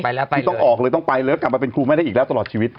ไม่ต้องออกเลยต้องไปแล้วกลับมาเป็นครูไม่ได้อีกแล้วตลอดชีวิต